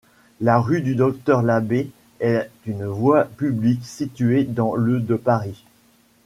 La rue du Docteur-Labbé est une voie publique située dans le de Paris.